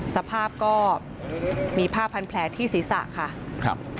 สภาพก็มีผ้าพันแผลที่ศีรษะค่ะครับ